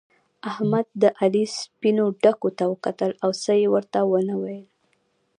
احمد د علي سپينو ډکو ته وکتل او څه يې ورته و نه ويل.